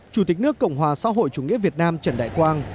chủ tịch nước cộng hòa xã hội chủ nghĩa việt nam trần đại quang